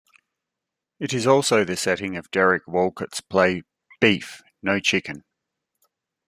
It is also the setting of Derek Walcott's play Beef, No Chicken.